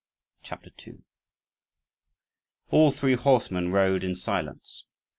CHAPTER II All three horsemen rode in silence.